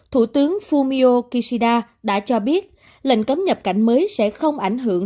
thủ tướng fumio kishida đã cho biết lệnh cấm nhập cảnh mới sẽ không ảnh hưởng